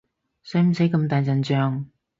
使唔使咁大陣仗？